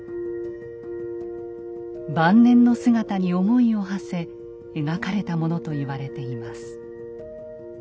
晩年の姿に思いをはせ描かれたものと言われています。